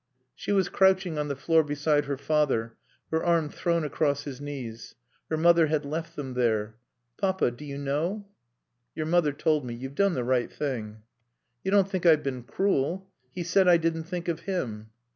She was crouching on the floor beside her father, her arm thrown across his knees. Her mother had left them there. "Papa do you know?" "Your mother told me.... You've done the right thing." "You don't think I've been cruel? He said I didn't think of him."